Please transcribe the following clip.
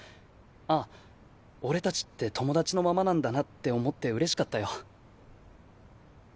あっ俺たちって友達のままなんだなって思ってうれしかったよ。